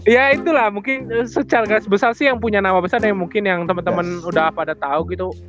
ya itulah mungkin secara kelas besar sih yang punya nama besar mungkin yang temen temen udah pada tau gitu